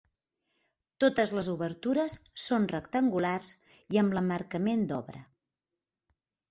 Totes les obertures són rectangulars i amb l'emmarcament d'obra.